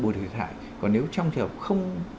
buổi thực hiện hại còn nếu trong trường hợp không